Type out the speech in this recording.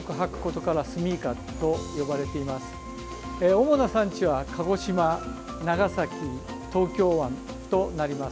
主な産地は鹿児島、長崎、東京湾となります。